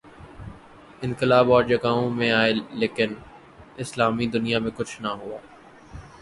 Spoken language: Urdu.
انقلاب اور جگہوں میں آئے لیکن اسلامی دنیا میں کچھ نہ ہوا۔